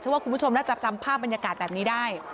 ว่าคุณผู้ชมน่าจะจำภาพบรรยากาศแบบนี้ได้